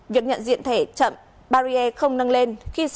việc nhận diện thẻ chậm barrier không nâng lên